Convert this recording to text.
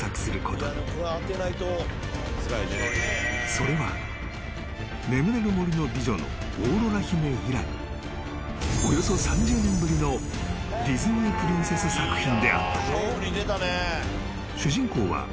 ［それは『眠れる森の美女』のオーロラ姫以来およそ３０年ぶりのディズニープリンセス作品であった］